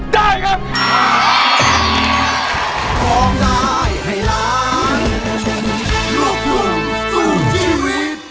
ได้ครับ